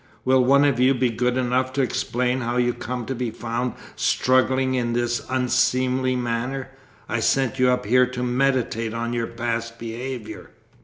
"Will one of you be good enough to explain how you come to be found struggling in this unseemly manner? I sent you up here to meditate on your past behaviour."